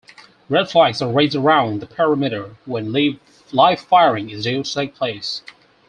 Red flags are raised around the perimeter when live-firing is due to take place.